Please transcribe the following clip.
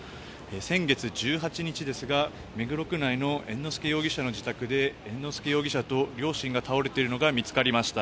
先月１８日ですが目黒区内の猿之助容疑者の自宅で猿之助容疑者と両親が倒れているのが見つかりました。